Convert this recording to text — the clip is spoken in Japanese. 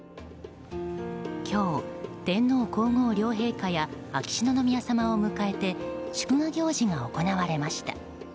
今日、天皇・皇后両陛下や秋篠宮さまを迎えて祝賀行事が行われました。